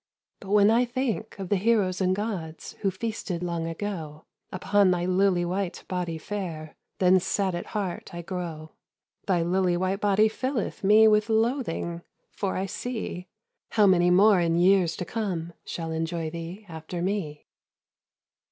"But when I think of the heroes and gods, Who feasted long ago, Upon thy lily white body fair, Then sad at heart I grow. Thy lily white body filleth me With loathing, for I see How many more in years to come Shall enjoy thee, after me."